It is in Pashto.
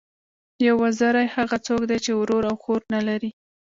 یو وزری، هغه څوک دئ، چي ورور او خور نه لري.